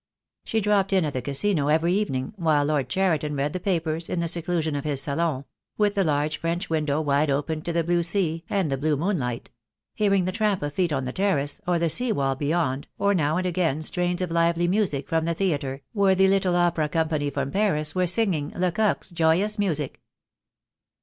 She dropped in at the Casino every evening, while Lord Cheriton read the papers in the seclusion of his salon — with the large French window wide open to the blue sea, and the blue moonlight — hearing the tramp of feet on the terrace, or the sea wall beyond, or now and again strains of lively music from the theatre, where the little opera company from Paris were singing Lecocq's joyous music.